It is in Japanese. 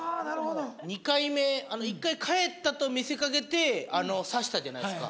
２回目１回帰ったと見せかけて刺したじゃないですか。